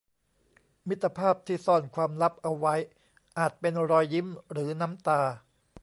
มิตรภาพที่ซ่อนความลับเอาไว้อาจเป็นรอยยิ้มหรือน้ำตา